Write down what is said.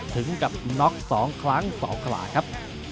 ถึงกับน็อก๒ครั้ง๒คลาครับ